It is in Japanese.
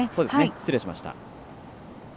失礼しました。